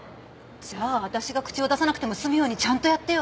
じゃあわたしが口を出さなくても済むようにちゃんとやってよ。